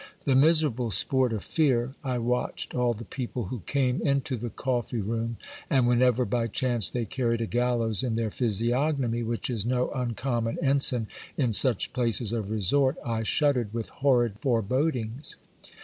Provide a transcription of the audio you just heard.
The miserable sport of fear, I watched all the people who came into the coffee room, and whenever by chance they carried a gallows in their physiognomy, which is no uncommon ensign in such places of resort, I shuddered with horrid forebodings.